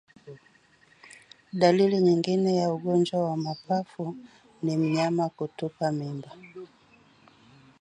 Dalili nyingine ya ugonjwa wa mapafu ni mnyama kutupa mimba